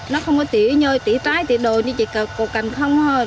nó không có tỉ trái tỉ đồ chỉ cột cành không thôi